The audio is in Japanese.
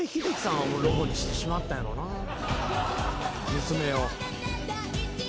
娘を。